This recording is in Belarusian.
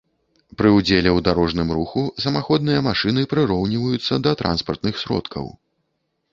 Пры ўдзеле ў дарожным руху самаходныя машыны прыроўніваюцца да транспартных сродкаў